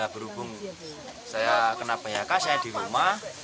berhubung saya kena phk saya di rumah